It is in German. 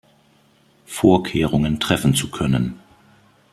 Vorkehrungen treffen zu können.